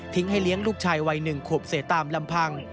ทิ้งให้เลี้ยงลูกชายวัยหนึ่งขบเสตามลำพัง